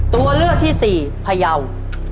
ตัวเลือกที่สี่พยาว